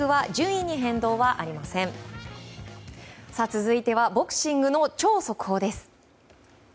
続いてはボクシングの超速報です。